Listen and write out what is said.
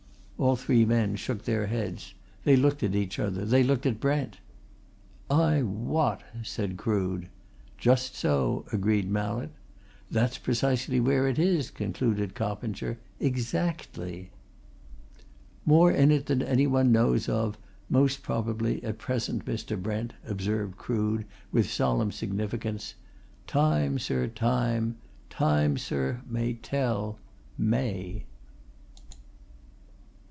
All three men shook their heads. They looked at each other. They looked at Brent. "Ay what?" said Crood. "Just so!" agreed Mallett. "That's precisely where it is," concluded Coppinger. "Exactly!" "More in it than anyone knows of most probably at present, Mr. Brent," observed Crood, with solemn significance. "Time, sir, time! Time, sir, may tell may!"